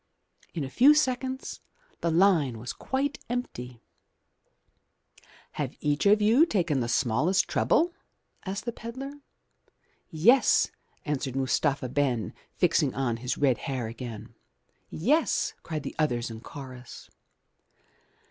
In a few seconds the line was quite empty. 255 MY BOOK HOUSE "Have each of you taken the smallest trouble?" asked the pedlar. "Yes," answered Mustapha Ben, fixing on his red hair again. "Yes," cried the others in chorus.